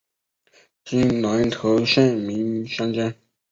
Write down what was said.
今南投县名间乡。